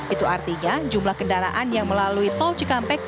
itu artinya jumlah kendaraan yang melalui tol cikampek